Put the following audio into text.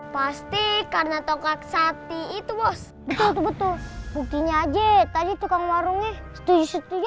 pasti karena tongkat sati itu bos betul betul bukinya aja tadi tukang warungnya setuju setuju